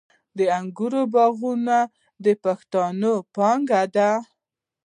د انګورو باغونه د پښتنو پانګه ده.